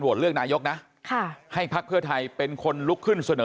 เเบียน๘พักร่วมบอกว่าว่า